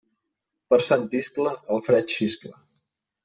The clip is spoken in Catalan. Per Sant Iscle el fred xiscla.